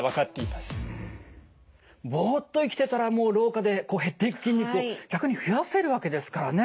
ぼっと生きてたらもう老化で減っていく筋肉逆に増やせるわけですからね。